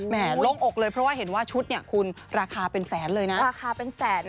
แหมลงอกเลยเพราะว่าเห็นว่าชุดเนี่ยคุณราคาเป็นแสนเลยนะ